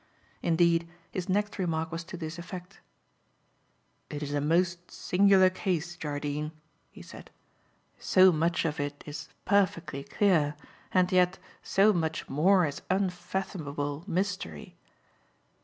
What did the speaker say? Indeed, his next remark was to this effect. "It is a most singular case, Jardine," he said. "So much of it is perfectly clear, and yet so much more is unfathomable mystery.